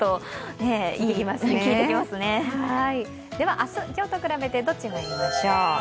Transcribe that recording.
明日、今日と比べてどっちにまいりましょう。